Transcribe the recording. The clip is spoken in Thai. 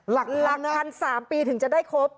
หลักพัน๓ปีถึงจะได้ครบ